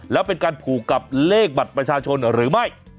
แล้วเป็นการผูกกับเลขบัตรประชาชนหรือไม่